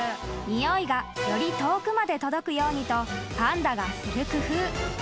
［においがより遠くまで届くようにとパンダがする工夫。